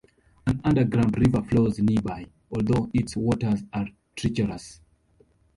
An underground river flows nearby, although its waters are treacherous.